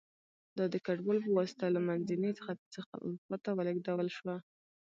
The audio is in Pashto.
دا د کډوالو په واسطه له منځني ختیځ څخه اروپا ته ولېږدول شوه